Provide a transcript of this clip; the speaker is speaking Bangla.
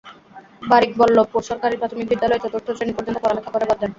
বারিক বল্লভপুর সরকারি প্রাথমিক বিদ্যালয়ে চতুর্থ শ্রেণি পর্যন্ত পড়ালেখা করে বাদ দেন।